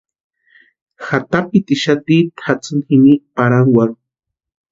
Jatapʼitixati tʼatsini jimini pʼarhankwarhu.